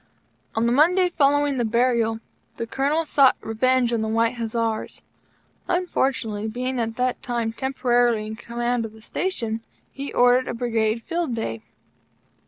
On the Monday following the burial, the Colonel sought revenge on the White Hussars. Unfortunately, being at that time temporarily in Command of the Station, he ordered a Brigade field day.